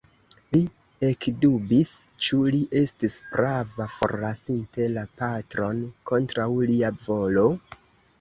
Li ekdubis, ĉu li estis prava, forlasinte la patron kontraŭ lia volo?